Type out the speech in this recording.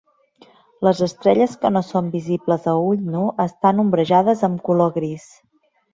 Les estrelles que no són visibles a ull nu estan ombrejades amb color gris.